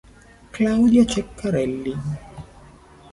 Claudia Ceccarelli